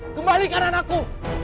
kembali kanan aku